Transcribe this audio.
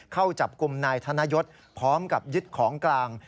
เข้าจับกลุ่มนายธนยศพร้อมกับยึดของกลาง